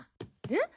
えっ？